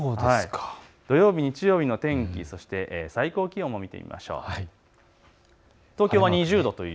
土曜日、日曜日の天気、そして最高気温を見ていきましょう。